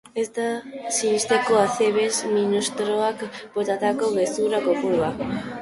Ez da sinistekoa Acebes ministroak botatako gezur kopurua.